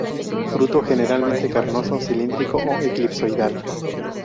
Fruto generalmente carnoso, cilíndrico o elipsoidal.